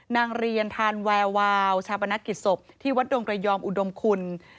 นางเรียนทานแวววาวชาปนกิจศพที่วัดดงกระยอมอุดมคุณ